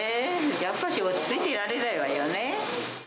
やっぱし、落ち着いていられないわよね。